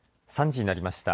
３時になりました。